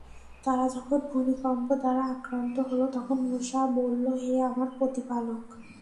তারা যখন ভূমিকম্প দ্বারা আক্রান্ত হল, তখন মূসা বলল, হে আমার প্রতিপালক!